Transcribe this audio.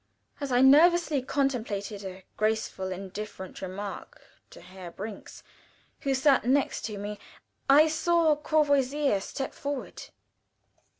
As I nervously contemplated a graceful indifferent remark to Herr Brinks, who sat next to me, I saw Courvoisier step forward.